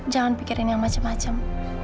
jangan pikirin yang macem macem